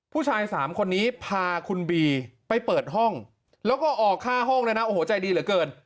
ผู้ชายสามคนนี้พาคุณบีไปเปิดห้องแล้วก็ออกค่าห้องด้วยนะโอ้โหใจดีเหลือเกิน